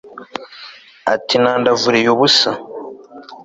ati nandavuriye ubusa